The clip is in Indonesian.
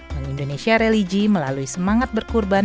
bank indonesia religi melalui semangat berkurban